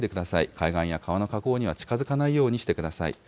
海岸や川の河口には近づかないようにしてください。